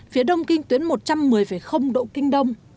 phía đông kinh tuyến một trăm một mươi độ kinh đông